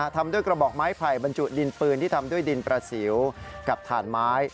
ทำด้วยกระบอกไม้ไผ่บรรจุดินปืนที่ทำด้วยดินประสิวกับถ่านไม้